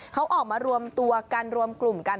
เขาออกมารวมตัวกันรวมกลุ่มกัน